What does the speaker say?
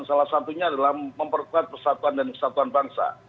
salah satunya adalah memperkuat persatuan dan kesatuan bangsa